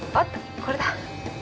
これだ。